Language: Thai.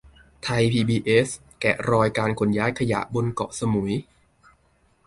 ไทยพีบีเอสแกะรอยการขนย้ายขยะบนเกาะสมุย